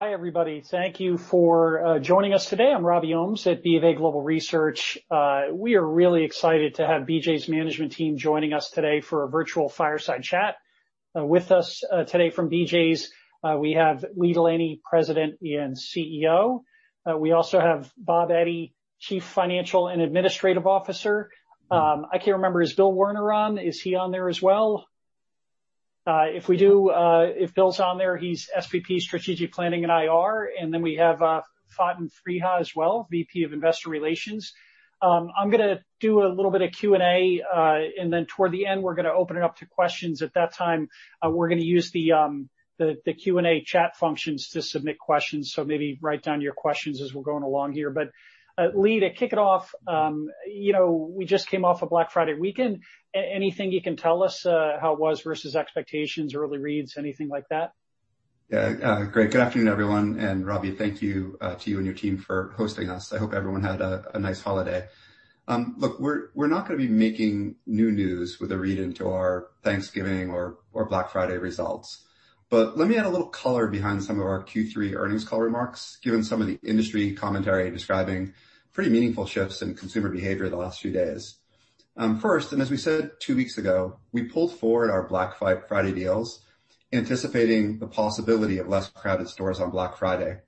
Hi everybody, thank you for joining us today. I'm Robbie Ohmes at BofA Securities. We are really excited to have BJ's management team joining us today for a virtual fireside chat. With us today from BJ's, we have Lee Delaney, President and CEO. We also have Bob Eddy, Chief Financial and Administrative Officer. I can't remember, is Bill Werner on? Is he on there as well? If we do, if Bill's on there, he's SVP Strategic Planning and IR, and then we have Faten Freiha as well, VP of Investor Relations. I'm going to do a little bit of Q&A, and then toward the end we're going to open it up to questions. At that time, we're going to use the Q&A chat functions to submit questions, so maybe write down your questions as we're going along here. But Lee, kick it off. You know, we just came off a Black Friday weekend. Anything you can tell us how it was versus expectations, early reads, anything like that? Yeah, great. Good afternoon everyone, and Robbie, thank you to you and your team for hosting us. I hope everyone had a nice holiday. Look, we're not going to be making new news with a read into our Thanksgiving or Black Friday results, but let me add a little color behind some of our Q3 earnings call remarks, given some of the industry commentary describing pretty meaningful shifts in consumer behavior the last few days. First, and as we said two weeks ago, we pulled forward our Black Friday deals, anticipating the possibility of less crowded stores on Black Friday,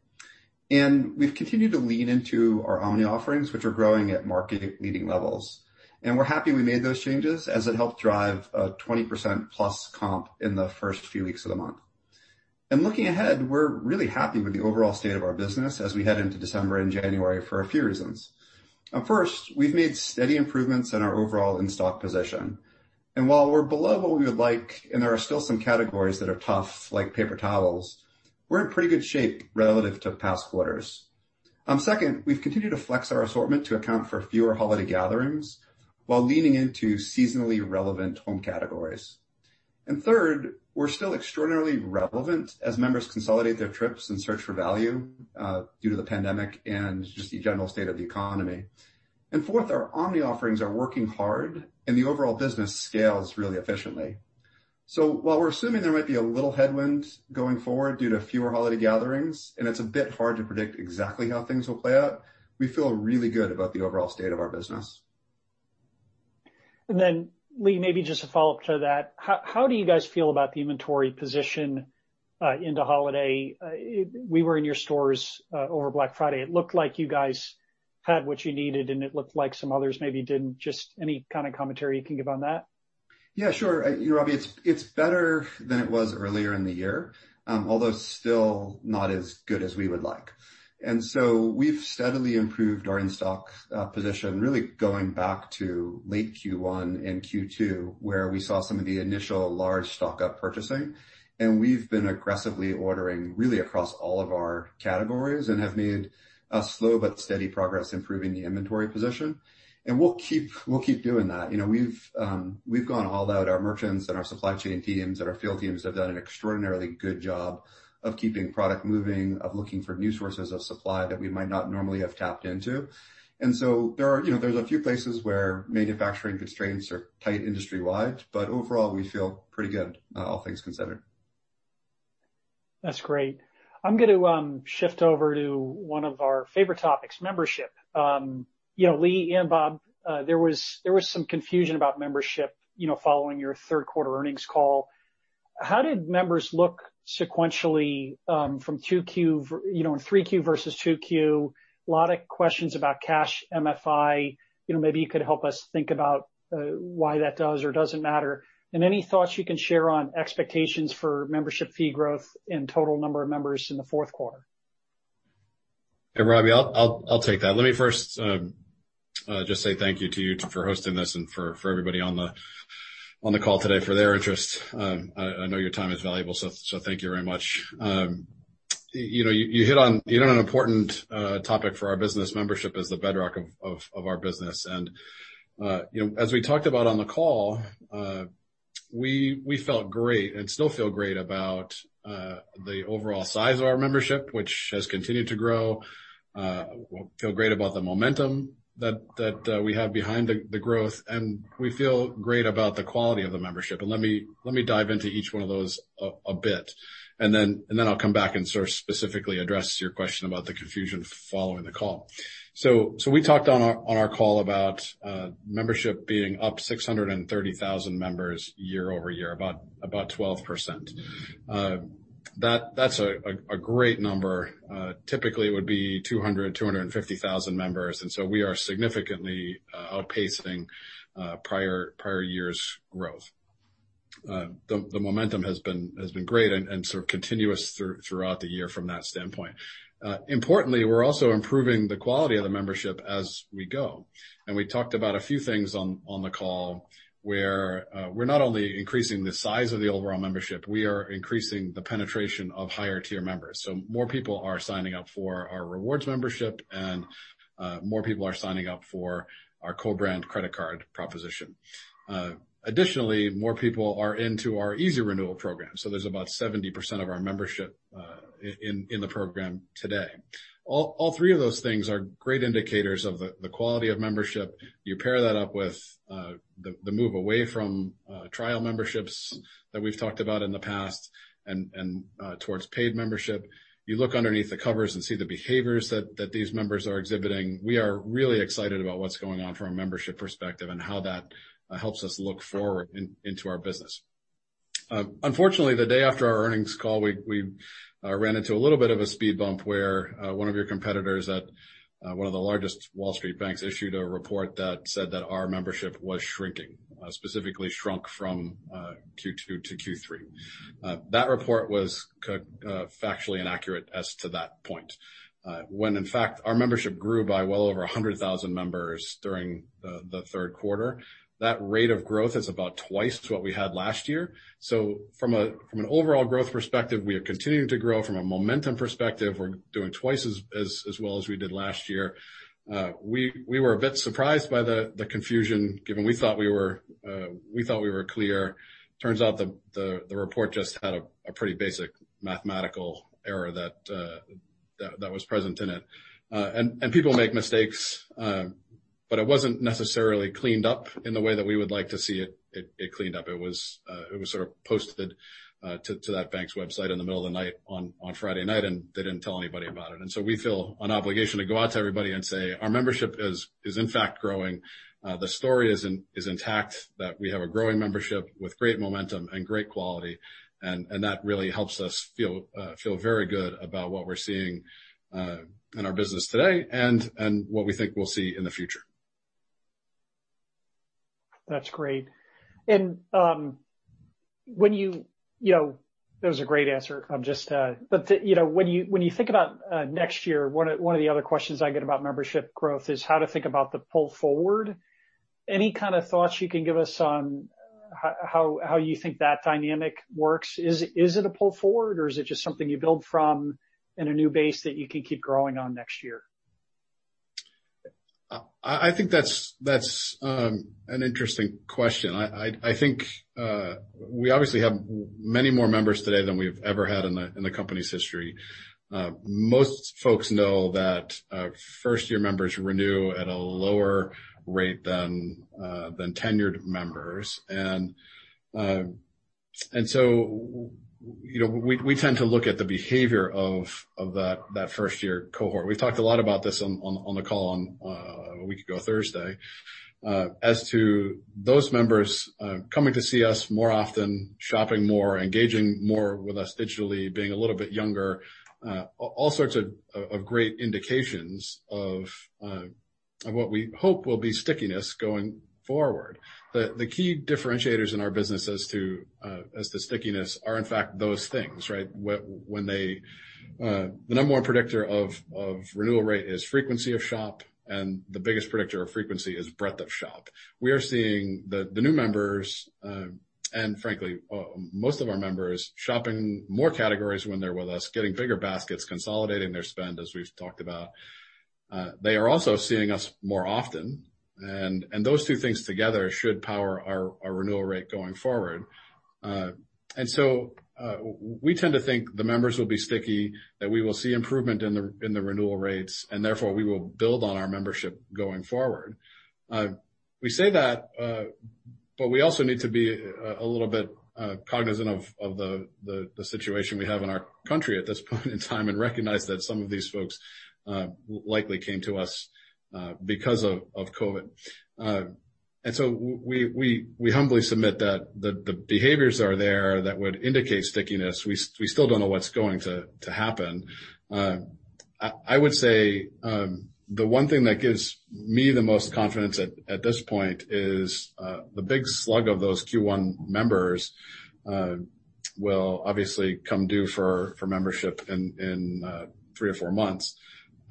and we've continued to lean into our omni offerings, which are growing at market-leading levels. and we're happy we made those changes as it helped drive a 20%+ comp in the first few weeks of the month. And looking ahead, we're really happy with the overall state of our business as we head into December and January for a few reasons. First, we've made steady improvements in our overall in-stock position, and while we're below what we would like, and there are still some categories that are tough like paper towels, we're in pretty good shape relative to past quarters. Second, we've continued to flex our assortment to account for fewer holiday gatherings while leaning into seasonally relevant home categories. And third, we're still extraordinarily relevant as members consolidate their trips and search for value due to the pandemic and just the general state of the economy. And fourth, our omni offerings are working hard, and the overall business scales really efficiently. So while we're assuming there might be a little headwind going forward due to fewer holiday gatherings, and it's a bit hard to predict exactly how things will play out, we feel really good about the overall state of our business. And then, Lee, maybe just a follow-up to that. How do you guys feel about the inventory position into holiday? We were in your stores over Black Friday. It looked like you guys had what you needed, and it looked like some others maybe didn't. Just any kind of commentary you can give on that? Yeah, sure. You know, Robbie, it's better than it was earlier in the year, although still not as good as we would like, and so we've steadily improved our in-stock position, really going back to late Q1 and Q2, where we saw some of the initial large stock up purchasing, and we've been aggressively ordering really across all of our categories and have made a slow but steady progress improving the inventory position, and we'll keep doing that. You know, we've gone all out. Our merchants and our supply chain teams and our field teams have done an extraordinarily good job of keeping product moving, of looking for new sources of supply that we might not normally have tapped into, and so there are a few places where manufacturing constraints are tight industry-wide, but overall we feel pretty good, all things considered. That's great. I'm going to shift over to one of our favorite topics, membership. You know, Lee and Bob, there was some confusion about membership, you know, following your third quarter earnings call. How did members look sequentially from Q2, you know, in 3Q versus 2Q? A lot of questions about cash MFI. You know, maybe you could help us think about why that does or doesn't matter, and any thoughts you can share on expectations for membership fee growth and total number of members in the fourth quarter? Hey Robbie, I'll take that. Let me first just say thank you to you for hosting this and for everybody on the call today for their interest. I know your time is valuable, so thank you very much. You know, you hit on an important topic for our business. Membership is the bedrock of our business, and you know, as we talked about on the call, we felt great and still feel great about the overall size of our membership, which has continued to grow. We feel great about the momentum that we have behind the growth, and we feel great about the quality of the membership, and let me dive into each one of those a bit, and then I'll come back and sort of specifically address your question about the confusion following the call. So we talked on our call about membership being up 630,000 members year-over-year, about 12%. That's a great number. Typically, it would be 200,000, 250,000 members, and so we are significantly outpacing prior year's growth. The momentum has been great and sort of continuous throughout the year from that standpoint. Importantly, we're also improving the quality of the membership as we go. And we talked about a few things on the call where we're not only increasing the size of the overall membership, we are increasing the penetration of higher tier members. So more people are signing up for our rewards membership, and more people are signing up for our co-brand credit card proposition. Additionally, more people are into our Easy Renewal program. So there's about 70% of our membership in the program today. All three of those things are great indicators of the quality of membership. You pair that up with the move away from trial memberships that we've talked about in the past and towards paid membership. You look underneath the covers and see the behaviors that these members are exhibiting. We are really excited about what's going on from a membership perspective and how that helps us look forward into our business. Unfortunately, the day after our earnings call, we ran into a little bit of a speed bump where one of your competitors at one of the largest Wall Street banks issued a report that said that our membership was shrinking, specifically shrunk from Q2 to Q3. That report was factually inaccurate as to that point. When in fact our membership grew by well over 100,000 members during the third quarter, that rate of growth is about twice what we had last year. So from an overall growth perspective, we are continuing to grow. From a momentum perspective, we're doing twice as well as we did last year. We were a bit surprised by the confusion given we thought we were clear. Turns out the report just had a pretty basic mathematical error that was present in it. And people make mistakes, but it wasn't necessarily cleaned up in the way that we would like to see it cleaned up. It was sort of posted to that bank's website in the middle of the night on Friday night, and they didn't tell anybody about it. And so we feel an obligation to go out to everybody and say our membership is in fact growing. The story is intact that we have a growing membership with great momentum and great quality, and that really helps us feel very good about what we're seeing in our business today and what we think we'll see in the future. That's great. And when you, you know, there's a great answer. But you know, when you think about next year, one of the other questions I get about membership growth is how to think about the pull forward. Any kind of thoughts you can give us on how you think that dynamic works? Is it a pull forward, or is it just something you build from in a new base that you can keep growing on next year? I think that's an interesting question. I think we obviously have many more members today than we've ever had in the company's history. Most folks know that first-year members renew at a lower rate than tenured members. And so you know, we tend to look at the behavior of that first-year cohort. We've talked a lot about this on the call a week ago Thursday. As to those members coming to see us more often, shopping more, engaging more with us digitally, being a little bit younger, all sorts of great indications of what we hope will be stickiness going forward. The key differentiators in our business as to stickiness are in fact those things, right? The number one predictor of renewal rate is frequency of shop, and the biggest predictor of frequency is breadth of shop. We are seeing the new members and frankly, most of our members shopping more categories when they're with us, getting bigger baskets, consolidating their spend as we've talked about. They are also seeing us more often, and those two things together should power our renewal rate going forward. And so we tend to think the members will be sticky, that we will see improvement in the renewal rates, and therefore we will build on our membership going forward. We say that, but we also need to be a little bit cognizant of the situation we have in our country at this point in time and recognize that some of these folks likely came to us because of COVID. And so we humbly submit that the behaviors that are there that would indicate stickiness, we still don't know what's going to happen. I would say the one thing that gives me the most confidence at this point is the big slug of those Q1 members will obviously come due for membership in three or four months.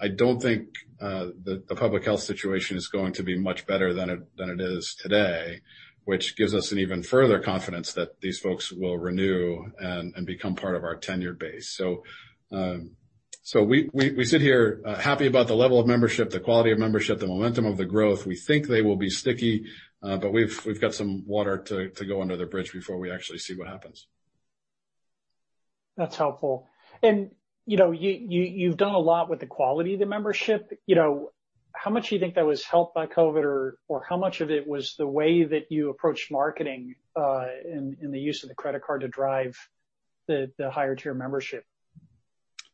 I don't think the public health situation is going to be much better than it is today, which gives us an even further confidence that these folks will renew and become part of our tenured base. So we sit here happy about the level of membership, the quality of membership, the momentum of the growth. We think they will be sticky, but we've got some water to go under the bridge before we actually see what happens. That's helpful, and you know, you've done a lot with the quality of the membership. You know, how much do you think that was helped by COVID, or how much of it was the way that you approached marketing and the use of the credit card to drive the higher tier membership?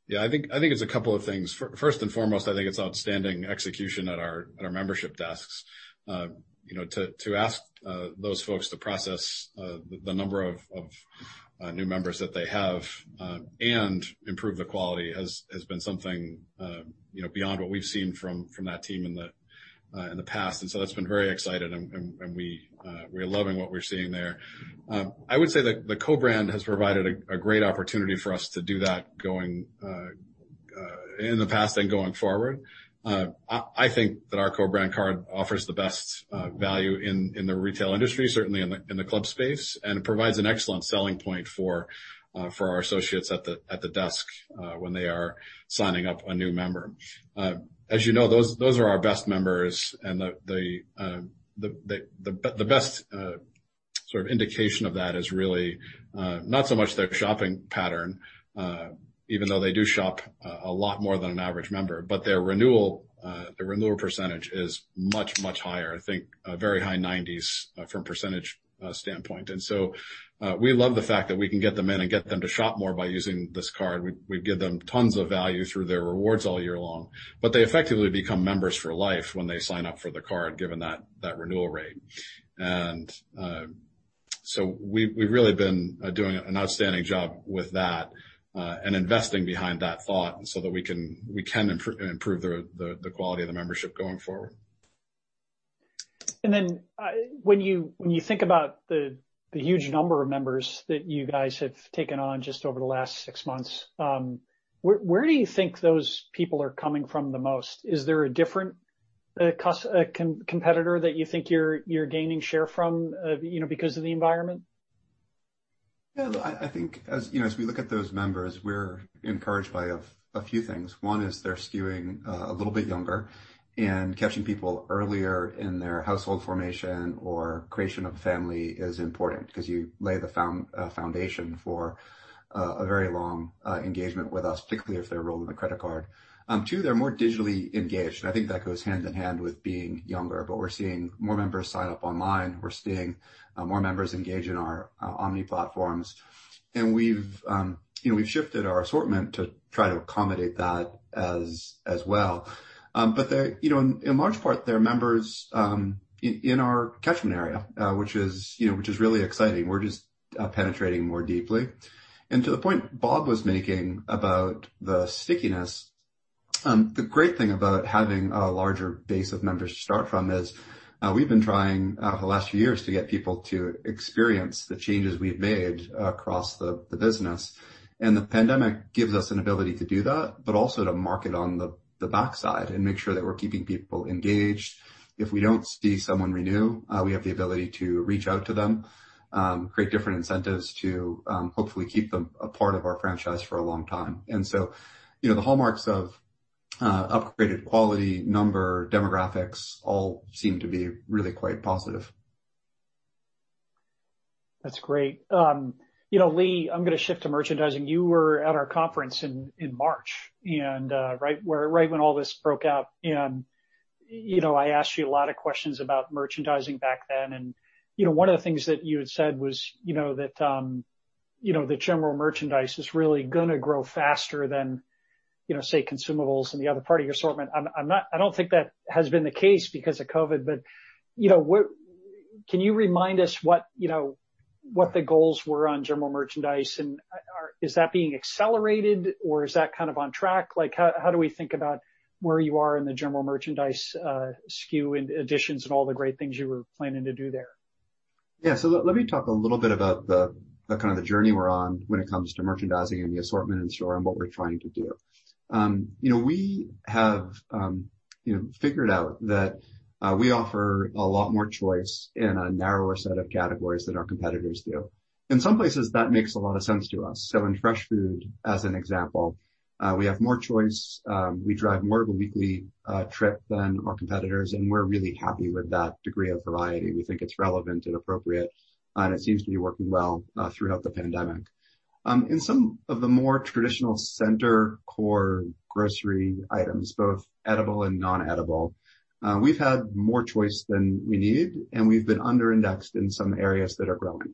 Yeah, I think it's a couple of things. First and foremost, I think it's outstanding execution at our membership desks. You know, to ask those folks to process the number of new members that they have and improve the quality has been something beyond what we've seen from that team in the past. And so that's been very exciting, and we are loving what we're seeing there. I would say the co-brand has provided a great opportunity for us to do that in the past and going forward. I think that our co-brand card offers the best value in the retail industry, certainly in the club space, and it provides an excellent selling point for our associates at the desk when they are signing up a new member. As you know, those are our best members, and the best sort of indication of that is really not so much their shopping pattern, even though they do shop a lot more than an average member, but their renewal percentage is much, much higher. I think very high 90s from a percentage standpoint. And so we love the fact that we can get them in and get them to shop more by using this card. We give them tons of value through their rewards all year long, but they effectively become members for life when they sign up for the card given that renewal rate. And so we've really been doing an outstanding job with that and investing behind that thought so that we can improve the quality of the membership going forward. And then when you think about the huge number of members that you guys have taken on just over the last six months, where do you think those people are coming from the most? Is there a different competitor that you think you're gaining share from, you know, because of the environment? Yeah, I think as you know, as we look at those members, we're encouraged by a few things. One is they're skewing a little bit younger, and catching people earlier in their household formation or creation of family is important because you lay the foundation for a very long engagement with us, particularly if they're enrolled in the credit card. Two, they're more digitally engaged, and I think that goes hand in hand with being younger. But we're seeing more members sign up online. We're seeing more members engage in our omnichannel platforms. And we've shifted our assortment to try to accommodate that as well. But you know, in large part, they're members in our catchment area, which is really exciting. We're just penetrating more deeply. And to the point Bob was making about the stickiness, the great thing about having a larger base of members to start from is we've been trying the last few years to get people to experience the changes we've made across the business. And the pandemic gives us an ability to do that, but also to market on the backside and make sure that we're keeping people engaged. If we don't see someone renew, we have the ability to reach out to them, create different incentives to hopefully keep them a part of our franchise for a long time. And so you know, the hallmarks of upgraded quality, number, demographics all seem to be really quite positive. That's great. You know, Lee, I'm going to shift to merchandising. You were at our conference in March, right when all this broke out. And you know, I asked you a lot of questions about merchandising back then. And you know, one of the things that you had said was, you know, that you know the general merchandise is really going to grow faster than, you know, say, consumables and the other part of your assortment. I don't think that has been the case because of COVID. But you know, can you remind us what the goals were on general merchandise? And is that being accelerated, or is that kind of on track? Like, how do we think about where you are in the general merchandise SKU and additions and all the great things you were planning to do there? Yeah, so let me talk a little bit about the kind of the journey we're on when it comes to merchandising and the assortment in store and what we're trying to do. You know, we have figured out that we offer a lot more choice in a narrower set of categories than our competitors do. In some places, that makes a lot of sense to us. So in fresh food, as an example, we have more choice. We drive more of a weekly trip than our competitors, and we're really happy with that degree of variety. We think it's relevant and appropriate, and it seems to be working well throughout the pandemic. In some of the more traditional center store grocery items, both edible and non-edible, we've had more choice than we need, and we've been under-indexed in some areas that are growing.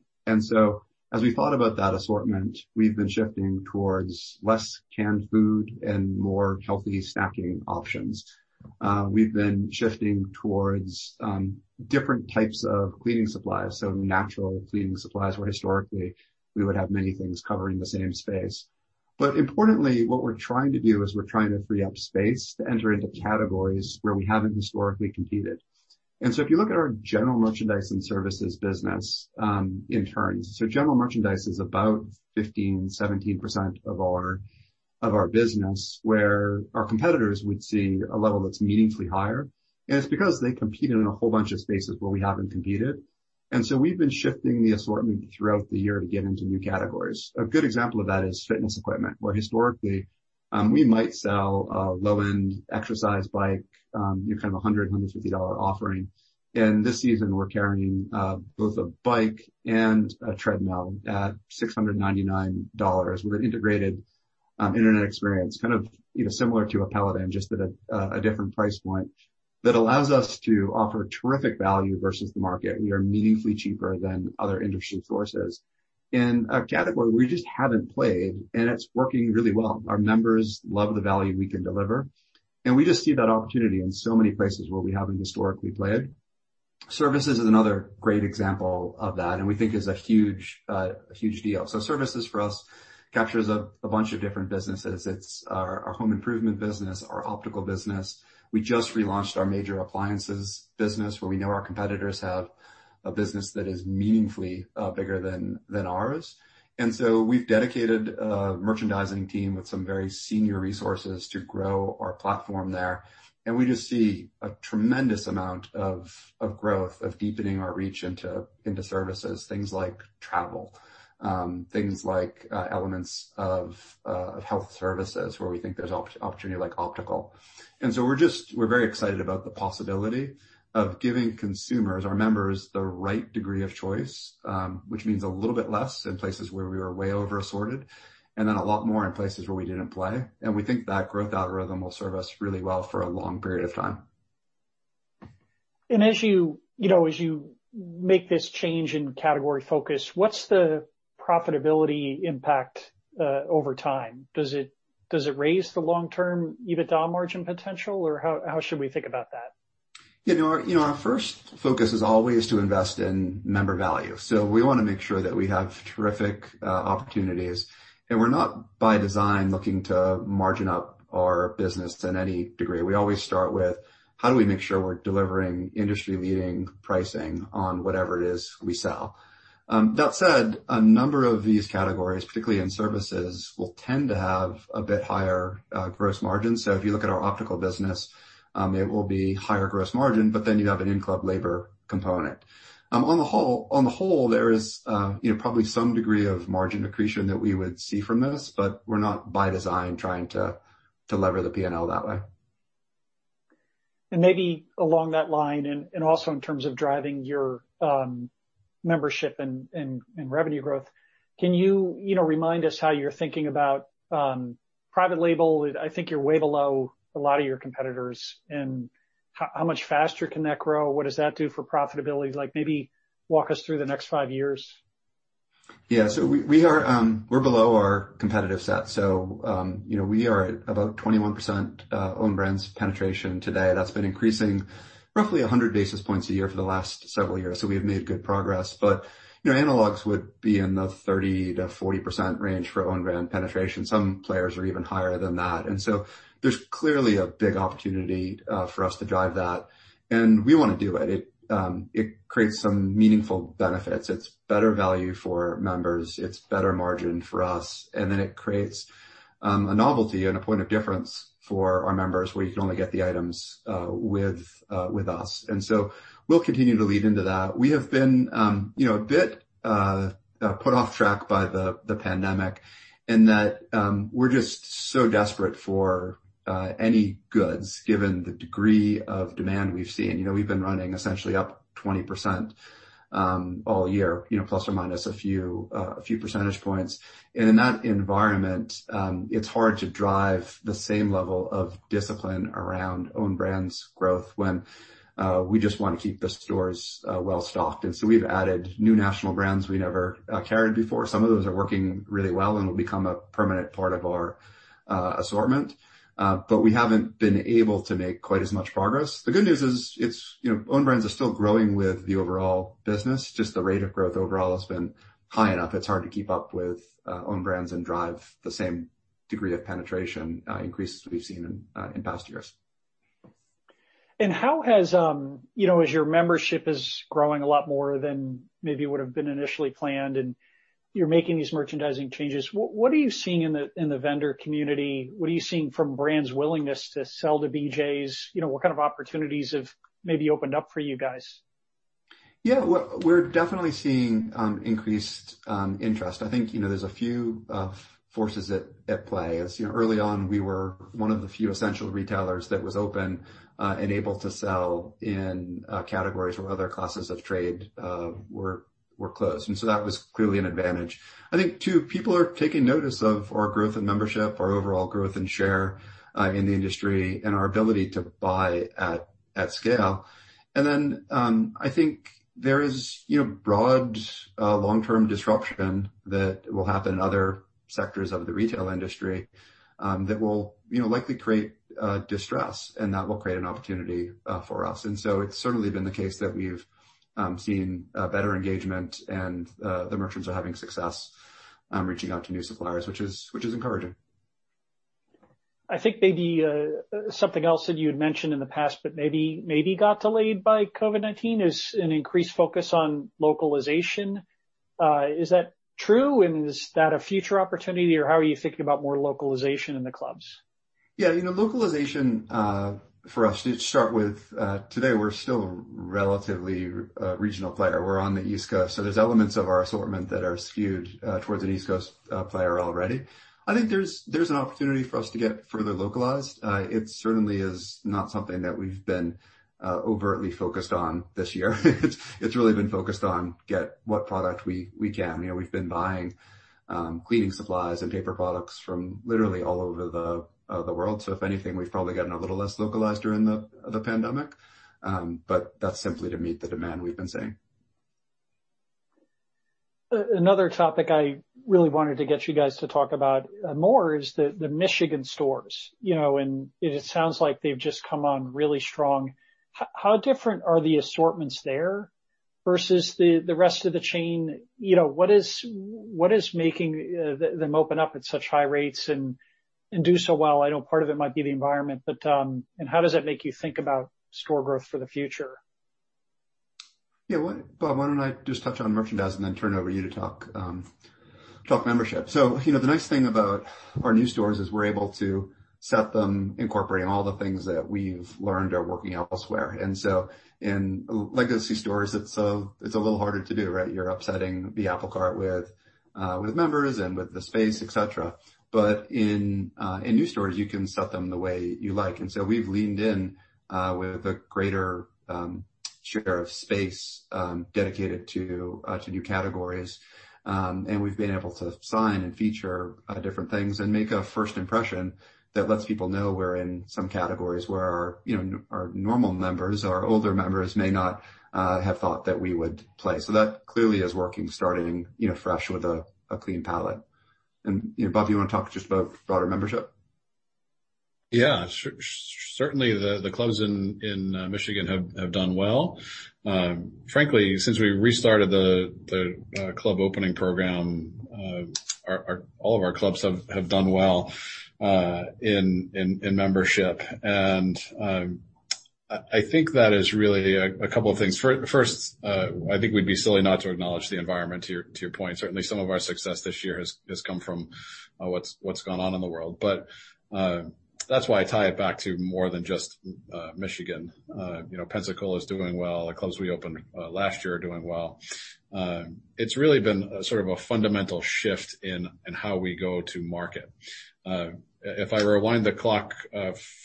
As we thought about that assortment, we've been shifting towards less canned food and more healthy snacking options. We've been shifting towards different types of cleaning supplies. So natural cleaning supplies where historically we would have many things covering the same space. But importantly, what we're trying to do is we're trying to free up space to enter into categories where we haven't historically competed. If you look at our general merchandise and services business in turns, so general merchandise is about 15%-17% of our business where our competitors would see a level that's meaningfully higher. And it's because they competed in a whole bunch of spaces where we haven't competed. We've been shifting the assortment throughout the year to get into new categories. A good example of that is fitness equipment, where historically we might sell a low-end exercise bike, you know, kind of $100, $150 offering, and this season we're carrying both a bike and a treadmill at $699 with an integrated internet experience, kind of similar to a Peloton, just at a different price point that allows us to offer terrific value versus the market. We are meaningfully cheaper than other industry sources in a category we just haven't played, and it's working really well. Our members love the value we can deliver, and we just see that opportunity in so many places where we haven't historically played. Services is another great example of that, and we think is a huge deal, so services for us captures a bunch of different businesses. It's our home improvement business, our optical business. We just relaunched our major appliances business where we know our competitors have a business that is meaningfully bigger than ours. And so we've dedicated a merchandising team with some very senior resources to grow our platform there. And we just see a tremendous amount of growth of deepening our reach into services, things like travel, things like elements of health services where we think there's opportunity like optical. And so we're just, we're very excited about the possibility of giving consumers, our members, the right degree of choice, which means a little bit less in places where we were way over-assorted and then a lot more in places where we didn't play. And we think that growth algorithm will serve us really well for a long period of time. As you know, as you make this change in category focus, what's the profitability impact over time? Does it raise the long-term EBITDA margin potential, or how should we think about that? You know, our first focus is always to invest in member value. So we want to make sure that we have terrific opportunities. And we're not by design looking to margin up our business in any degree. We always start with how do we make sure we're delivering industry-leading pricing on whatever it is we sell. That said, a number of these categories, particularly in services, will tend to have a bit higher gross margins. So if you look at our optical business, it will be higher gross margin, but then you have an in-club labor component. On the whole, there is probably some degree of margin accretion that we would see from this, but we're not by design trying to lever the P&L that way. Maybe along that line, and also in terms of driving your membership and revenue growth, can you remind us how you're thinking about private label? I think you're way below a lot of your competitors in how much faster can that grow? What does that do for profitability? Like, maybe walk us through the next five years. Yeah, so we are below our competitive set. So you know, we are at about 21% owned brands penetration today. That's been increasing roughly 100 basis points a year for the last several years. So we have made good progress. But you know, analogs would be in the 30%-40% range for owned brand penetration. Some players are even higher than that. And so there's clearly a big opportunity for us to drive that. And we want to do it. It creates some meaningful benefits. It's better value for members. It's better margin for us. And then it creates a novelty and a point of difference for our members where you can only get the items with us. And so we'll continue to lead into that. We have been, you know, a bit put off track by the pandemic in that we're just so desperate for any goods given the degree of demand we've seen. You know, we've been running essentially up 20% all year, you know, plus or minus a few percentage points, and in that environment, it's hard to drive the same level of discipline around owned brands growth when we just want to keep the stores well stocked, and so we've added new national brands we never carried before. Some of those are working really well and will become a permanent part of our assortment, but we haven't been able to make quite as much progress. The good news is, you know, owned brands are still growing with the overall business. Just the rate of growth overall has been high enough. It's hard to keep up with owned brands and drive the same degree of penetration increase we've seen in past years. How has, you know, as your membership is growing a lot more than maybe would have been initially planned and you're making these merchandising changes, what are you seeing in the vendor community? What are you seeing from brands' willingness to sell to BJ's? You know, what kind of opportunities have maybe opened up for you guys? Yeah, we're definitely seeing increased interest. I think, you know, there's a few forces at play. As you know, early on, we were one of the few essential retailers that was open and able to sell in categories where other classes of trade were closed. And so that was clearly an advantage. I think, too, people are taking notice of our growth in membership, our overall growth in share in the industry, and our ability to buy at scale. And then I think there is, you know, broad long-term disruption that will happen in other sectors of the retail industry that will, you know, likely create distress, and that will create an opportunity for us. And so it's certainly been the case that we've seen better engagement, and the merchants are having success reaching out to new suppliers, which is encouraging. I think maybe something else that you had mentioned in the past, but maybe got delayed by COVID-19, is an increased focus on localization. Is that true, and is that a future opportunity, or how are you thinking about more localization in the clubs? Yeah, you know, localization for us, to start with, today, we're still a relatively regional player. We're on the East Coast. So there's elements of our assortment that are skewed towards an East Coast player already. I think there's an opportunity for us to get further localized. It certainly is not something that we've been overtly focused on this year. It's really been focused on getting what product we can. You know, we've been buying cleaning supplies and paper products from literally all over the world. So if anything, we've probably gotten a little less localized during the pandemic, but that's simply to meet the demand we've been seeing. Another topic I really wanted to get you guys to talk about more is the Michigan stores. You know, and it sounds like they've just come on really strong. How different are the assortments there versus the rest of the chain? You know, what is making them open up at such high rates and do so well? I know part of it might be the environment, but how does that make you think about store growth for the future? Yeah, Bob, why don't I just touch on merchandise and then turn it over to you to talk membership. So, you know, the nice thing about our new stores is we're able to set them, incorporating all the things that we've learned are working elsewhere. And so in legacy stores, it's a little harder to do, right? You're upsetting the apple cart with members and with the space, et cetera. But in new stores, you can set them the way you like. And so we've leaned in with a greater share of space dedicated to new categories. And we've been able to sign and feature different things and make a first impression that lets people know we're in some categories where our normal members, our older members may not have thought that we would play. So that clearly is working, starting, you know, fresh with a clean palette. You know, Bob, do you want to talk just about broader membership? Yeah, certainly the clubs in Michigan have done well. Frankly, since we restarted the club opening program, all of our clubs have done well in membership. And I think that is really a couple of things. First, I think we'd be silly not to acknowledge the environment, to your point. Certainly, some of our success this year has come from what's gone on in the world. But that's why I tie it back to more than just Michigan. You know, Pensacola is doing well. The clubs we opened last year are doing well. It's really been sort of a fundamental shift in how we go to market. If I rewind the clock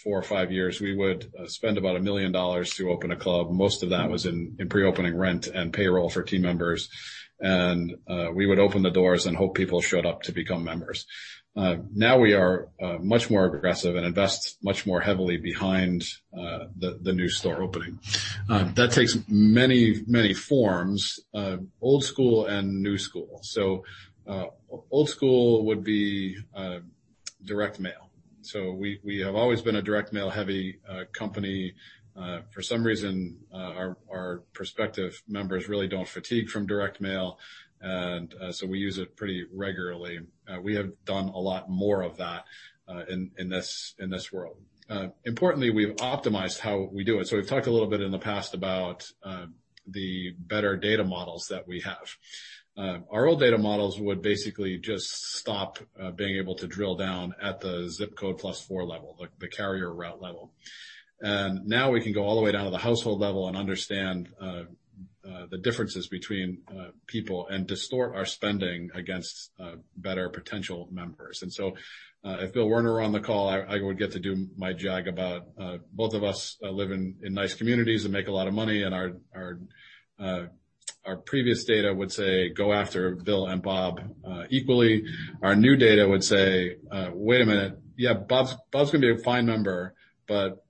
four or five years, we would spend about $1 million to open a club. Most of that was in pre-opening rent and payroll for team members. And we would open the doors and hope people showed up to become members. Now we are much more aggressive and invest much more heavily behind the new store opening. That takes many, many forms: old school and new school. So old school would be direct mail. So we have always been a direct mail-heavy company. For some reason, our prospective members really don't fatigue from direct mail. And so we use it pretty regularly. We have done a lot more of that in this world. Importantly, we've optimized how we do it. So we've talked a little bit in the past about the better data models that we have. Our old data models would basically just stop being able to drill down at the ZIP+4 level, the carrier route level. And now we can go all the way down to the household level and understand the differences between people and forecast our spending against better potential members. And so if Bill Werner were on the call, I would get to do my jag about both of us living in nice communities and make a lot of money. And our previous data would say, go after Bill and Bob equally. Our new data would say, wait a minute, yeah, Bob's going to be a fine member, but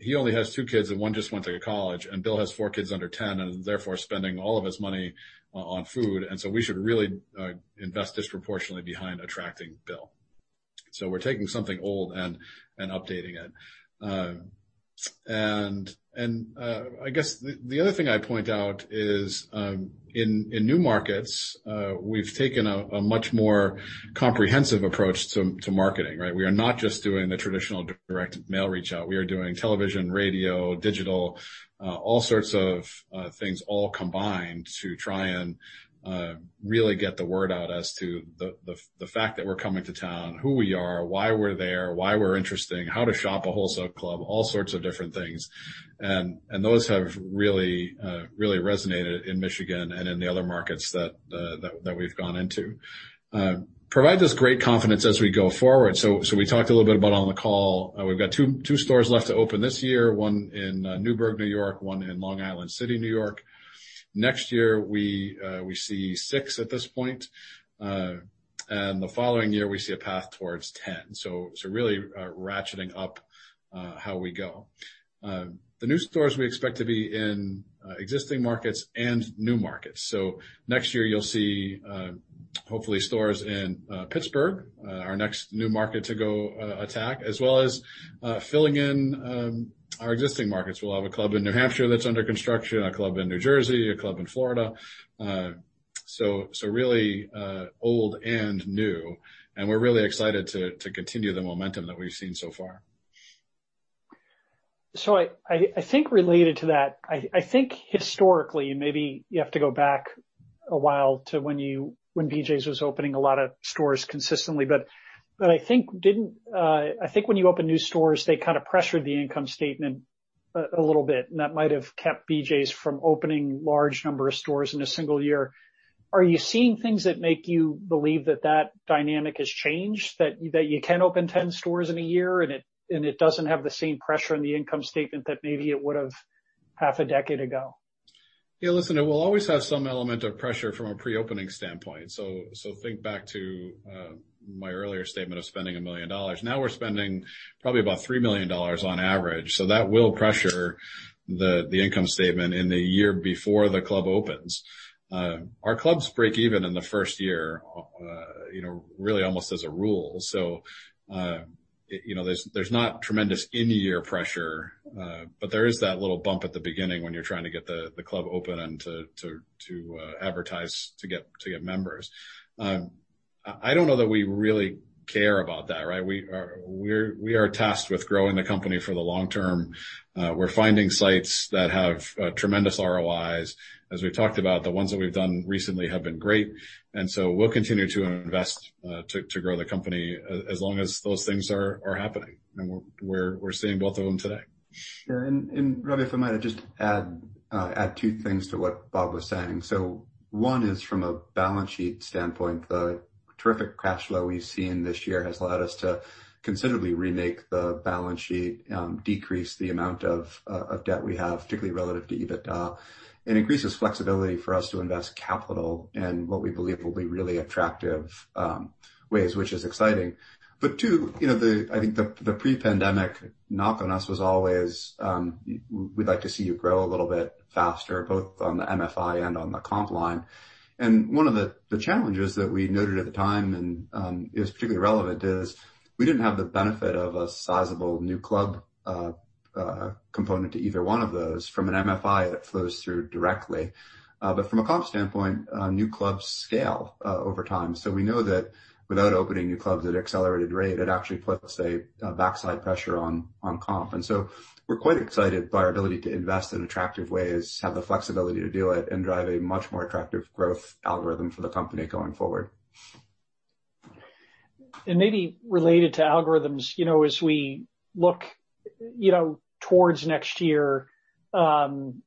he only has two kids and one just went to college. And Bill has four kids under 10 and is therefore spending all of his money on food. And so we should really invest disproportionately behind attracting Bill. So we're taking something old and updating it. I guess the other thing I point out is in new markets, we've taken a much more comprehensive approach to marketing, right? We are not just doing the traditional direct mail reach out. We are doing television, radio, digital, all sorts of things all combined to try and really get the word out as to the fact that we're coming to town, who we are, why we're there, why we're interesting, how to shop a wholesale club, all sorts of different things. And those have really, really resonated in Michigan and in the other markets that we've gone into. Provide us great confidence as we go forward. So we talked a little bit about on the call. We've got two stores left to open this year, one in Newburgh, New York, one in Long Island City, New York. Next year, we see six at this point. And the following year, we see a path towards 10. So really ratcheting up how we go. The new stores we expect to be in existing markets and new markets. So next year, you'll see hopefully stores in Pittsburgh, our next new market to go attack, as well as filling in our existing markets. We'll have a club in New Hampshire that's under construction, a club in New Jersey, a club in Florida. So really old and new. And we're really excited to continue the momentum that we've seen so far. So I think related to that, I think historically, and maybe you have to go back a while to when BJ's was opening a lot of stores consistently, but I think when you open new stores, they kind of pressured the income statement a little bit, and that might have kept BJ's from opening large numbers of stores in a single year. Are you seeing things that make you believe that that dynamic has changed, that you can open 10 stores in a year and it doesn't have the same pressure on the income statement that maybe it would have half a decade ago? Yeah, listen, it will always have some element of pressure from a pre-opening standpoint. So think back to my earlier statement of spending $1 million. Now we're spending probably about $3 million on average. So that will pressure the income statement in the year before the club opens. Our clubs break even in the first year, you know, really almost as a rule. So you know, there's not tremendous in-year pressure, but there is that little bump at the beginning when you're trying to get the club open and to advertise to get members. I don't know that we really care about that, right? We are tasked with growing the company for the long term. We're finding sites that have tremendous ROIs. As we talked about, the ones that we've done recently have been great. And so we'll continue to invest to grow the company as long as those things are happening. And we're seeing both of them today. Yeah, and Robbie, if I might just add two things to what Bob was saying. So one is from a balance sheet standpoint, the terrific cash flow we've seen this year has allowed us to considerably remake the balance sheet, decrease the amount of debt we have, particularly relative to EBITDA, and increase this flexibility for us to invest capital in what we believe will be really attractive ways, which is exciting. But two, you know, I think the pre-pandemic knock on us was always we'd like to see you grow a little bit faster, both on the MFI and on the comp line. And one of the challenges that we noted at the time and is particularly relevant is we didn't have the benefit of a sizable new club component to either one of those. From an MFI, it flows through directly. But from a comp standpoint, new clubs scale over time. So we know that without opening new clubs at an accelerated rate, it actually puts a backside pressure on comp. And so we're quite excited by our ability to invest in attractive ways, have the flexibility to do it, and drive a much more attractive growth algorithm for the company going forward. And maybe related to algorithms, you know, as we look, you know, towards next year, and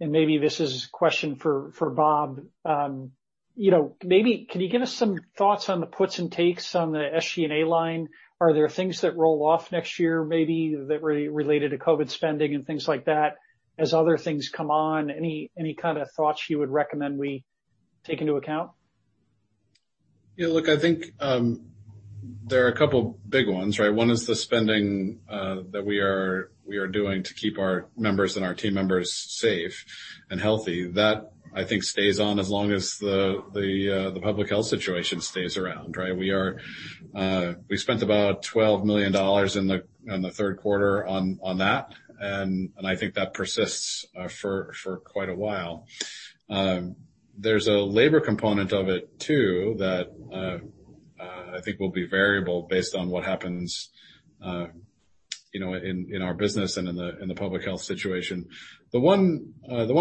maybe this is a question for Bob, you know, maybe can you give us some thoughts on the puts and takes on the SG&A line? Are there things that roll off next year maybe that were related to COVID spending and things like that as other things come on? Any kind of thoughts you would recommend we take into account? Yeah, look, I think there are a couple big ones, right? One is the spending that we are doing to keep our members and our team members safe and healthy. That I think stays on as long as the public health situation stays around, right? We spent about $12 million in the third quarter on that. And I think that persists for quite a while. There's a labor component of it too that I think will be variable based on what happens, you know, in our business and in the public health situation. The one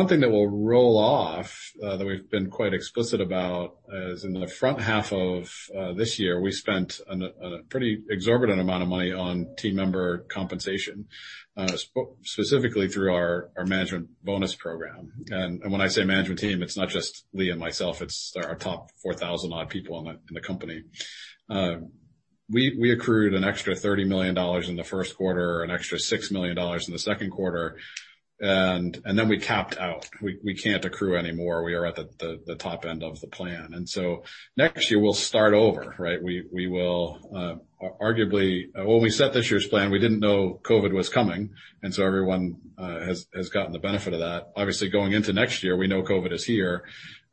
thing that will roll off that we've been quite explicit about is in the front half of this year, we spent a pretty exorbitant amount of money on team member compensation, specifically through our management bonus program. And when I say management team, it's not just Lee and myself. It's our top 4,000 odd people in the company. We accrued an extra $30 million in the first quarter, an extra $6 million in the second quarter, and then we capped out. We can't accrue anymore. We are at the top end of the plan, and so next year, we'll start over, right? We will arguably, when we set this year's plan, we didn't know COVID was coming, and so everyone has gotten the benefit of that. Obviously, going into next year, we know COVID is here,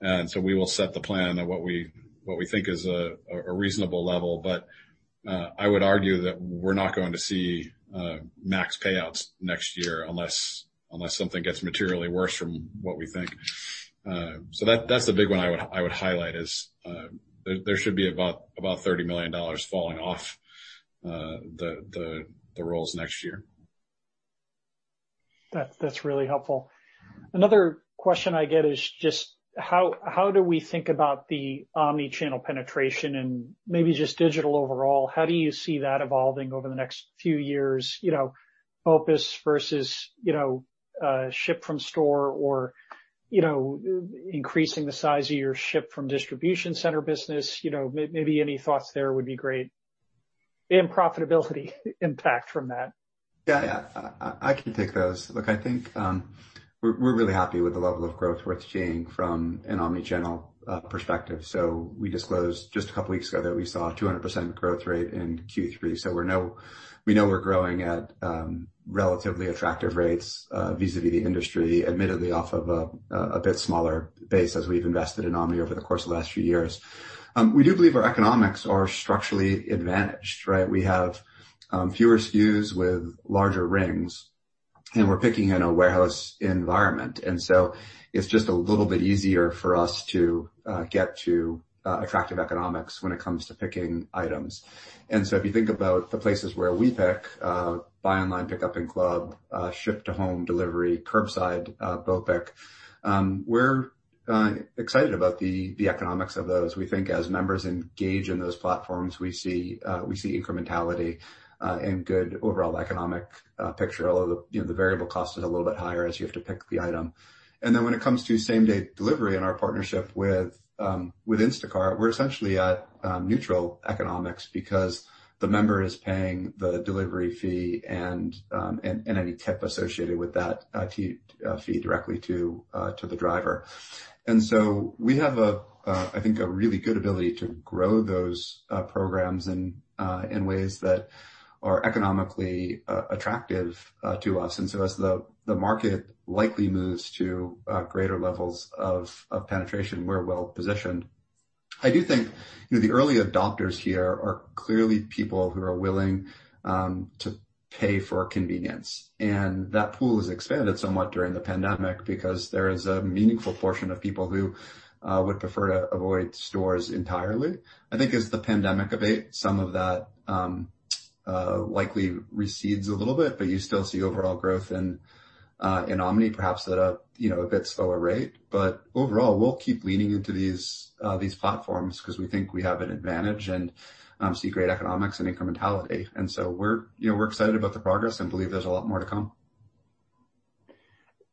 and so we will set the plan at what we think is a reasonable level, but I would argue that we're not going to see max payouts next year unless something gets materially worse from what we think, so that's the big one I would highlight is there should be about $30 million falling off the rolls next year. That's really helpful. Another question I get is just how do we think about the omnichannel penetration and maybe just digital overall? How do you see that evolving over the next few years, you know, BOPIC versus, you know, ship from store or, you know, increasing the size of your ship from distribution center business? You know, maybe any thoughts there would be great. And profitability impact from that. Yeah, I can take those. Look, I think we're really happy with the level of growth we're seeing from an omnichannel perspective, so we disclosed just a couple of weeks ago that we saw a 200% growth rate in Q3. So we know we're growing at relatively attractive rates vis-à-vis the industry, admittedly off of a bit smaller base as we've invested in omni over the course of the last few years. We do believe our economics are structurally advantaged, right? We have fewer SKUs with larger rings, and we're picking in a warehouse environment, and so it's just a little bit easier for us to get to attractive economics when it comes to picking items, and so if you think about the places where we pick, buy online, pick up in club, ship to home, delivery, curbside, BOPIC, we're excited about the economics of those. We think as members engage in those platforms, we see incrementality and good overall economic picture. Although the variable cost is a little bit higher as you have to pick the item. And then when it comes to same-day delivery and our partnership with Instacart, we're essentially at neutral economics because the member is paying the delivery fee and any tip associated with that fee directly to the driver. And so we have, I think, a really good ability to grow those programs in ways that are economically attractive to us. And so as the market likely moves to greater levels of penetration, we're well positioned. I do think, you know, the early adopters here are clearly people who are willing to pay for convenience. And that pool has expanded somewhat during the pandemic because there is a meaningful portion of people who would prefer to avoid stores entirely. I think as the pandemic abates, some of that likely recedes a little bit, but you still see overall growth in omni, perhaps at a bit slower rate. But overall, we'll keep leaning into these platforms because we think we have an advantage and see great economics and incrementality. And so we're excited about the progress and believe there's a lot more to come.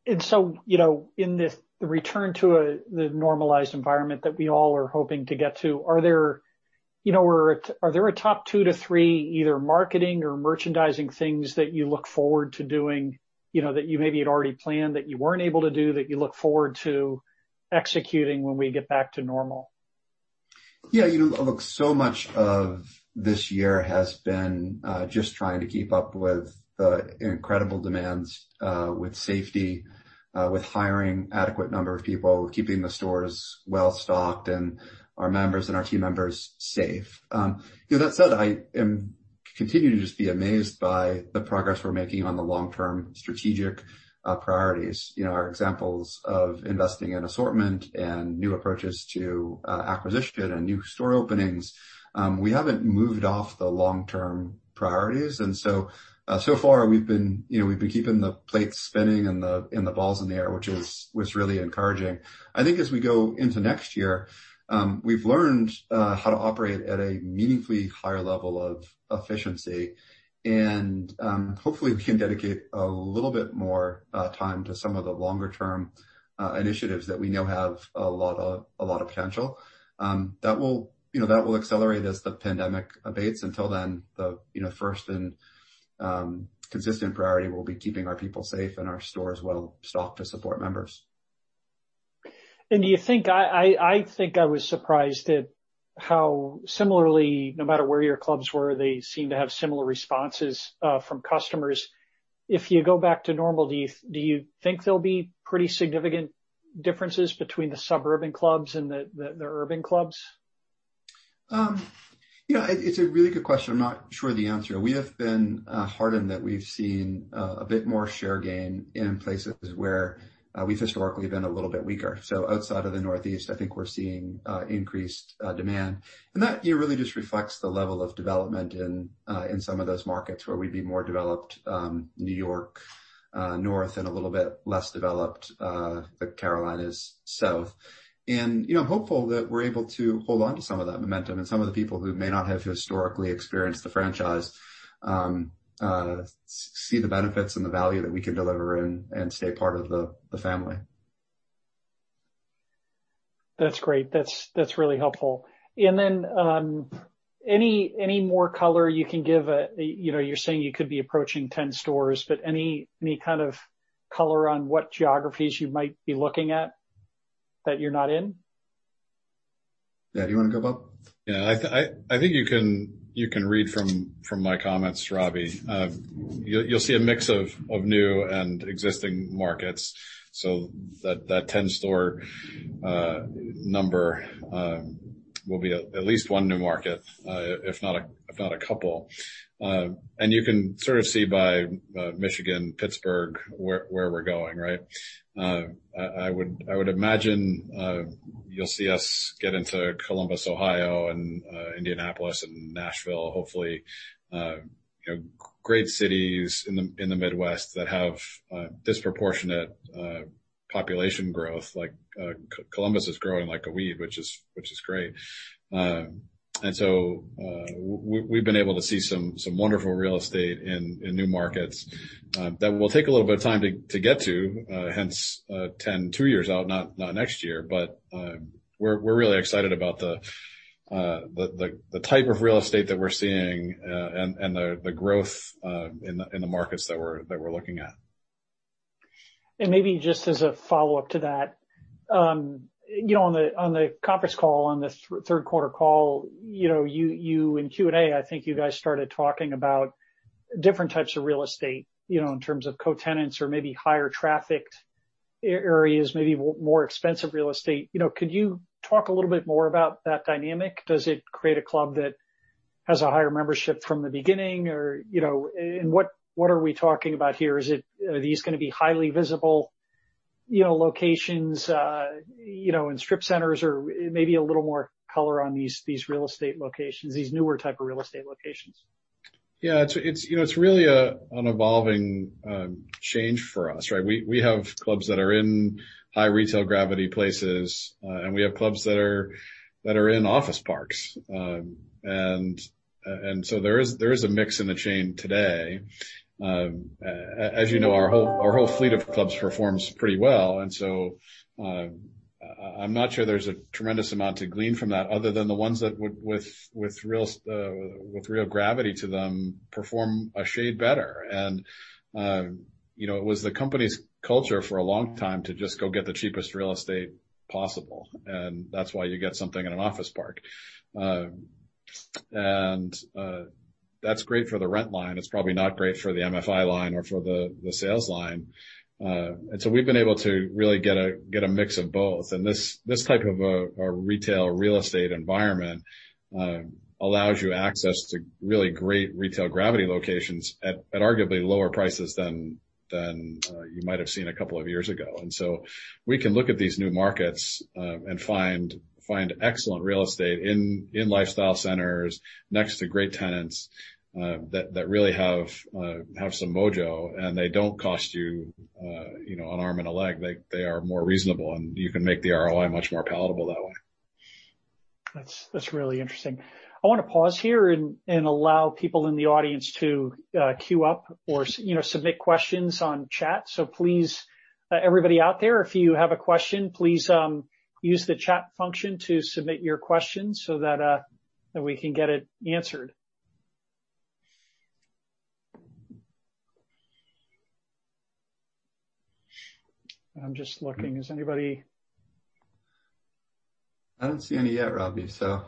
And so, you know, in this return to the normalized environment that we all are hoping to get to, are there, you know, a top two to three either marketing or merchandising things that you look forward to doing, you know, that you maybe had already planned that you weren't able to do, that you look forward to executing when we get back to normal? Yeah, you know, look, so much of this year has been just trying to keep up with the incredible demands with safety, with hiring an adequate number of people, keeping the stores well stocked, and our members and our team members safe. You know, that said, I am continuing to just be amazed by the progress we're making on the long-term strategic priorities. You know, our examples of investing in assortment and new approaches to acquisition and new store openings, we haven't moved off the long-term priorities and so far, we've been keeping the plates spinning and the balls in the air, which is really encouraging. I think as we go into next year, we've learned how to operate at a meaningfully higher level of efficiency. Hopefully, we can dedicate a little bit more time to some of the longer-term initiatives that we know have a lot of potential. That will, you know, that will accelerate as the pandemic abates. Until then, the first and consistent priority will be keeping our people safe and our stores well stocked to support members. Do you think, I think I was surprised at how similarly, no matter where your clubs were, they seem to have similar responses from customers. If you go back to normal, do you think there'll be pretty significant differences between the suburban clubs and the urban clubs? You know, it's a really good question. I'm not sure of the answer. We have been heartened that we've seen a bit more share gain in places where we've historically been a little bit weaker, so outside of the Northeast, I think we're seeing increased demand, and that really just reflects the level of development in some of those markets where we'd be more developed, northern New York, and a little bit less developed, The Carolinas, South, and, you know, I'm hopeful that we're able to hold on to some of that momentum and some of the people who may not have historically experienced the franchise see the benefits and the value that we can deliver and stay part of the family. That's great. That's really helpful. And then any more color you can give, you know, you're saying you could be approaching 10 stores, but any kind of color on what geographies you might be looking at that you're not in? Yeah, do you want to go Bob? Yeah, I think you can read from my comments, Robbie. You'll see a mix of new and existing markets. That 10 store number will be at least one new market, if not a couple. You can sort of see by Michigan, Pittsburgh, where we're going, right? I would imagine you'll see us get into Columbus, Ohio, and Indianapolis, and Nashville, hopefully, you know, great cities in the Midwest that have disproportionate population growth. Like Columbus is growing like a weed, which is great. We've been able to see some wonderful real estate in new markets that will take a little bit of time to get to, hence 10 two years out, not next year. We're really excited about the type of real estate that we're seeing and the growth in the markets that we're looking at. Maybe just as a follow-up to that, you know, on the conference call, on the third quarter call, you know, you in Q&A, I think you guys started talking about different types of real estate, you know, in terms of co-tenants or maybe higher traffic areas, maybe more expensive real estate. You know, could you talk a little bit more about that dynamic? Does it create a club that has a higher membership from the beginning? Or, you know, and what are we talking about here? Are these going to be highly visible, you know, locations, you know, in strip centers or maybe a little more color on these real estate locations, these newer type of real estate locations? Yeah, it's, you know, it's really an evolving change for us, right? We have clubs that are in high retail gravity places, and we have clubs that are in office parks, and so there is a mix in the chain today. As you know, our whole fleet of clubs performs pretty well, and so I'm not sure there's a tremendous amount to glean from that other than the ones that with real retail gravity to them perform a shade better. You know, it was the company's culture for a long time to just go get the cheapest real estate possible, and that's why you get something in an office park, and that's great for the rent line. It's probably not great for the MFI line or for the sales line, and so we've been able to really get a mix of both. And this type of a retail real estate environment allows you access to really great retail gravity locations at arguably lower prices than you might have seen a couple of years ago. And so we can look at these new markets and find excellent real estate in lifestyle centers next to great tenants that really have some mojo. And they don't cost you, you know, an arm and a leg. They are more reasonable. And you can make the ROI much more palatable that way. That's really interesting. I want to pause here and allow people in the audience to queue up or, you know, submit questions on chat. So please, everybody out there, if you have a question, please use the chat function to submit your questions so that we can get it answered. I'm just looking. Is anybody? I don't see any yet, Robbie. So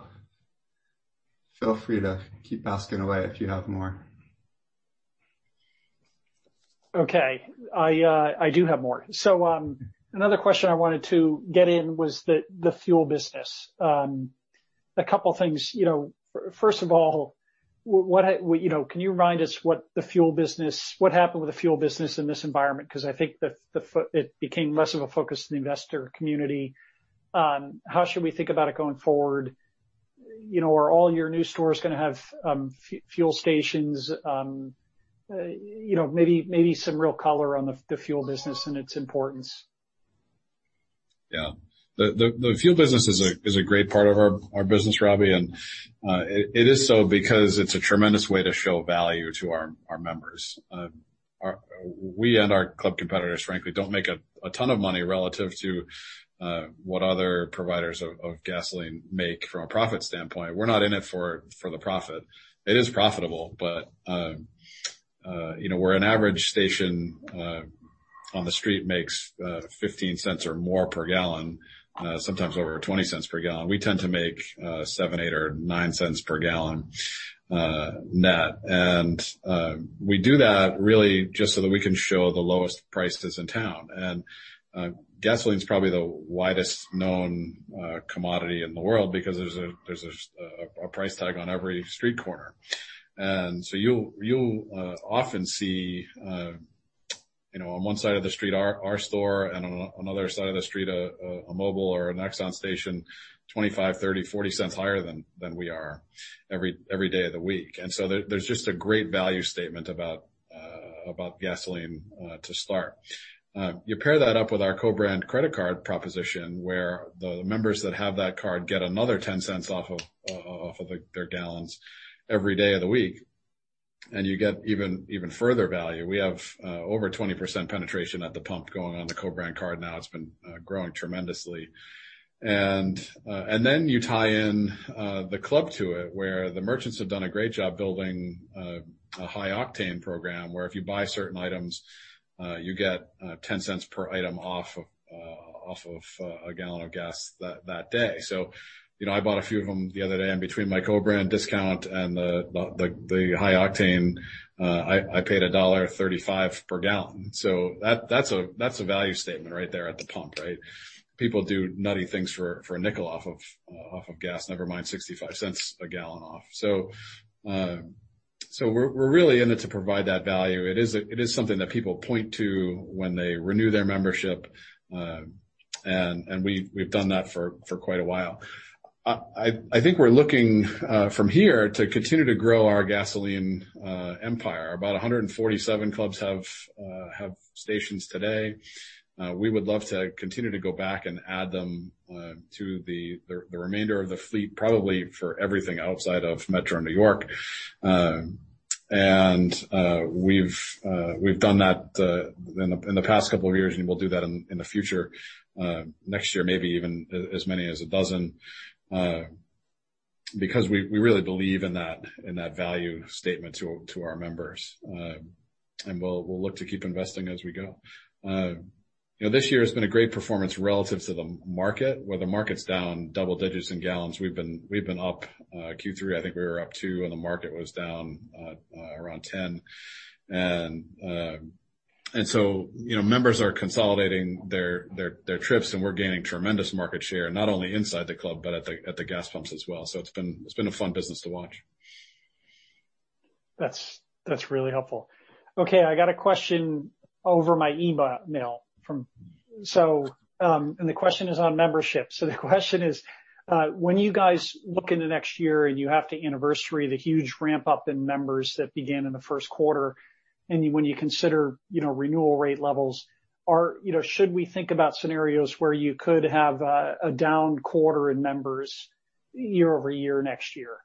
feel free to keep asking away if you have more. Okay. I do have more. So another question I wanted to get in was the fuel business. A couple of things, you know, first of all, you know, can you remind us what the fuel business, what happened with the fuel business in this environment? Because I think it became less of a focus of the investor community. How should we think about it going forward? You know, are all your new stores going to have fuel stations? You know, maybe some real color on the fuel business and its importance. Yeah. The fuel business is a great part of our business, Robbie. And it is so because it's a tremendous way to show value to our members. We and our club competitors, frankly, don't make a ton of money relative to what other providers of gasoline make from a profit standpoint. We're not in it for the profit. It is profitable, but, you know, where an average station on the street makes $0.15 or more per gallon, sometimes over $0.20 per gallon, we tend to make $0.07, $0.08, or $0.09 per gallon net. And we do that really just so that we can show the lowest prices in town. And gasoline is probably the widest known commodity in the world because there's a price tag on every street corner. And so you'll often see, you know, on one side of the street, our store, and on another side of the street, a Mobil or an Exxon station $0.25, $0.30, $0.40 higher than we are every day of the week. And so there's just a great value statement about gasoline to start. You pair that up with our co-brand credit card proposition where the members that have that card get another $0.10 off of their gallons every day of the week. And you get even further value. We have over 20% penetration at the pump going on the co-brand card now. It's been growing tremendously. And then you tie in the club to it where the merchants have done a great job building a High Octane program where if you buy certain items, you get $0.10 per item off of a gallon of gas that day. So, you know, I bought a few of them the other day. And between my co-brand discount and the High Octane, I paid $1.35 per gallon. So that's a value statement right there at the pump, right? People do nutty things for a nickel off of gas, never mind 65 cents a gallon off. So we're really in it to provide that value. It is something that people point to when they renew their membership. And we've done that for quite a while. I think we're looking from here to continue to grow our gasoline empire. About 147 clubs have stations today. We would love to continue to go back and add them to the remainder of the fleet, probably for everything outside of Metro New York. We've done that in the past couple of years, and we'll do that in the future, next year, maybe even as many as a dozen. Because we really believe in that value statement to our members. And we'll look to keep investing as we go, you know. This year has been a great performance relative to the market, where the market's down double digits in gallons. We've been up Q3. I think we were up 2, and the market was down around 10. And so, you know, members are consolidating their trips, and we're gaining tremendous market share, not only inside the club, but at the gas pumps as well. So it's been a fun business to watch. That's really helpful. Okay, I got a question over my email from so-and-so, and the question is on membership. So the question is, when you guys look into next year and you have to anniversary the huge ramp up in members that began in the first quarter, and when you consider, you know, renewal rate levels, you know, should we think about scenarios where you could have a down quarter in members year-over-year next year?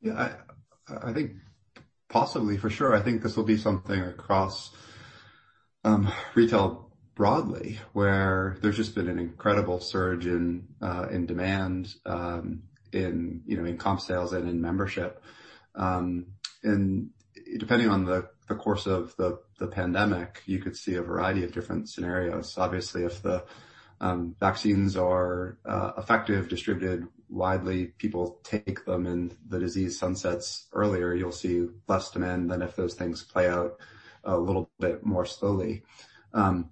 Yeah, I think possibly, for sure. I think this will be something across retail broadly where there's just been an incredible surge in demand in, you know, in comp sales and in membership. And depending on the course of the pandemic, you could see a variety of different scenarios. Obviously, if the vaccines are effective, distributed widely, people take them, and the disease sunsets earlier, you'll see less demand than if those things play out a little bit more slowly. And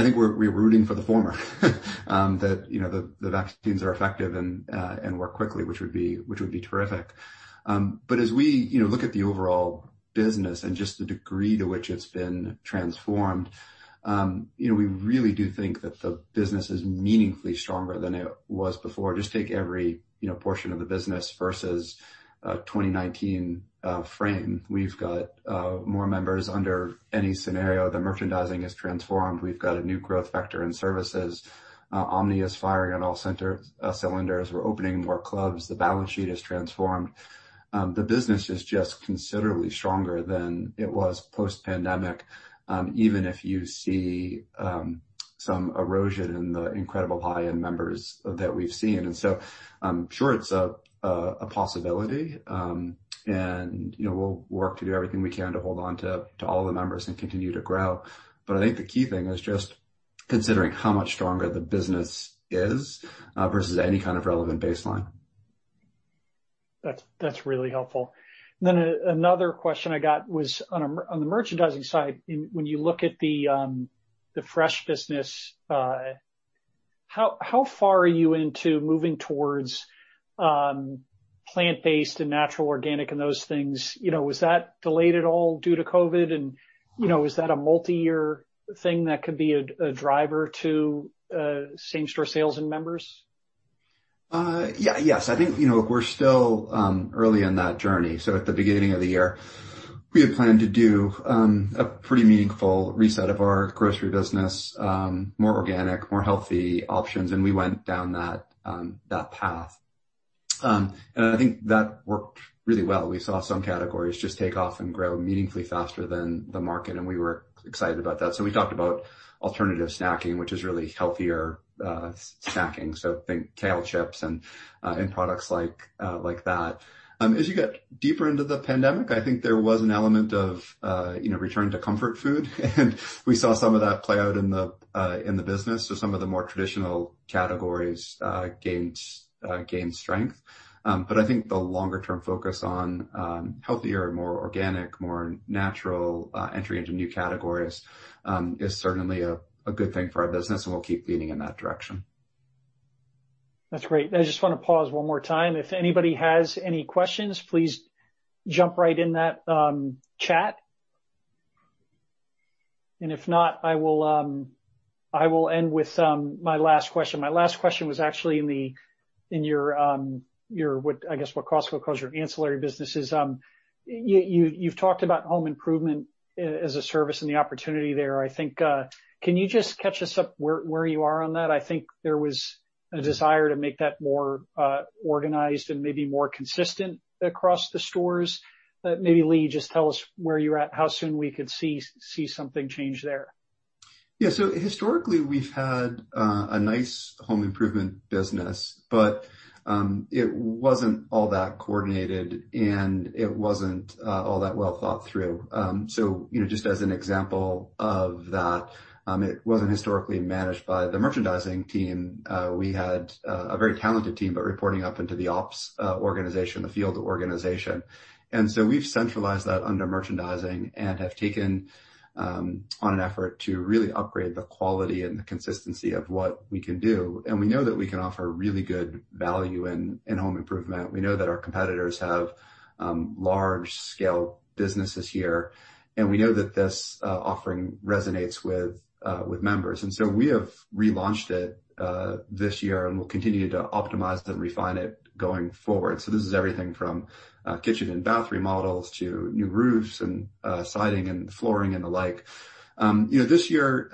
I think we're rooting for the former, that, you know, the vaccines are effective and work quickly, which would be terrific. But as we, you know, look at the overall business and just the degree to which it's been transformed, you know, we really do think that the business is meaningfully stronger than it was before. Just take every, you know, portion of the business versus 2019 frame. We've got more members under any scenario. The merchandising has transformed. We've got a new growth vector in services. Omni is firing on all cylinders. We're opening more clubs. The balance sheet has transformed. The business is just considerably stronger than it was post-pandemic, even if you see some erosion in the incredibly high in members that we've seen. And so, sure, it's a possibility. And, you know, we'll work to do everything we can to hold on to all the members and continue to grow. But I think the key thing is just considering how much stronger the business is versus any kind of relevant baseline. That's really helpful. And then another question I got was on the merchandising side. When you look at the fresh business, how far are you into moving towards plant-based and natural organic and those things? You know, was that delayed at all due to COVID? And, you know, is that a multi-year thing that could be a driver to same-store sales and members? Yeah, yes. I think, you know, we're still early in that journey. So at the beginning of the year, we had planned to do a pretty meaningful reset of our grocery business, more organic, more healthy options. And we went down that path. And I think that worked really well. We saw some categories just take off and grow meaningfully faster than the market. And we were excited about that. So we talked about alternative snacking, which is really healthier snacking. So I think kale chips and products like that. As you get deeper into the pandemic, I think there was an element of, you know, return to comfort food. And we saw some of that play out in the business. So some of the more traditional categories gained strength. But I think the longer-term focus on healthier, more organic, more natural entry into new categories is certainly a good thing for our business. And we'll keep leaning in that direction. That's great. I just want to pause one more time. If anybody has any questions, please jump right in that chat. And if not, I will end with my last question. My last question was actually in your, I guess, what Costco calls your ancillary businesses. You've talked about home improvement as a service and the opportunity there. I think, can you just catch us up where you are on that? I think there was a desire to make that more organized and maybe more consistent across the stores. Maybe Lee, just tell us where you're at, how soon we could see something change there. Yeah, so historically, we've had a nice home improvement business, but it wasn't all that coordinated, and it wasn't all that well thought through. So, you know, just as an example of that, it wasn't historically managed by the merchandising team. We had a very talented team but reporting up into the ops organization, the field organization. And so we've centralized that under merchandising and have taken on an effort to really upgrade the quality and the consistency of what we can do. And we know that we can offer really good value in home improvement. We know that our competitors have large-scale businesses here. And we know that this offering resonates with members. And so we have relaunched it this year and will continue to optimize and refine it going forward. So this is everything from kitchen and bath remodels to new roofs and siding and flooring and the like. You know, this year,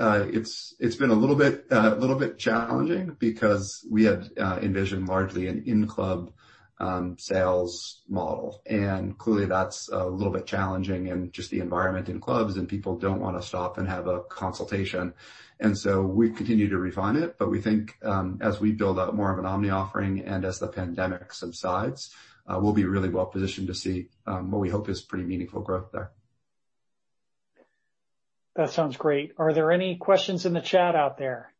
it's been a little bit challenging because we had envisioned largely an in-club sales model. And clearly, that's a little bit challenging in just the environment in clubs, and people don't want to stop and have a consultation. And so we've continued to refine it. But we think as we build out more of an omni offering and as the pandemic subsides, we'll be really well positioned to see what we hope is pretty meaningful growth there. That sounds great. Are there any questions in the chat out there?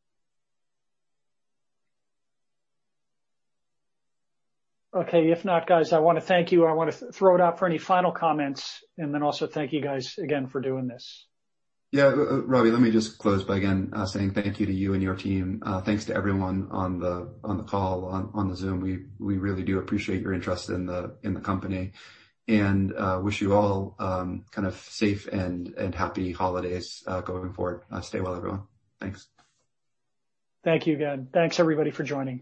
Okay, if not, guys, I want to thank you. I want to throw it out for any final comments and then also thank you guys again for doing this. Yeah, Robbie, let me just close by again saying thank you to you and your team. Thanks to everyone on the call on the Zoom. We really do appreciate your interest in the company and wish you all kind of safe and happy holidays going forward. Stay well, everyone. Thanks. Thank you again. Thanks, everybody, for joining.